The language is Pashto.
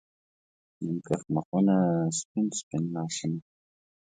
نیم کښ مخونه، سپین، سپین لاسونه